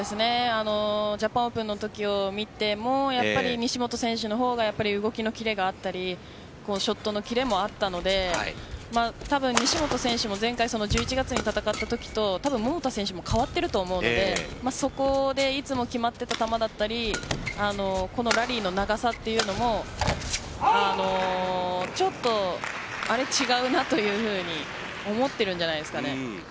ジャパンオープンのときを見ても西本選手の方が動きのキレがあったりショットのキレもあったので西本選手も前回１１月に戦ったときと桃田選手も変わっていると思うのでそこでいつも決まっていた球だったりラリーの長さというのもちょっと違うなというふうに思ってるんじゃないですかね。